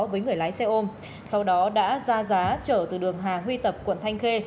với người lái xe ôm sau đó đã ra giá chở từ đường hà huy tập quận thanh khê